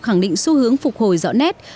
khẳng định xu hướng phục hồi rõ nét